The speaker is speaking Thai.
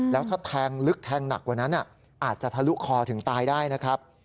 แล้วถ้าแทงลึกแทงหนักกว่านั้นอาจจะทะลุคอถึงตายได้นะครับ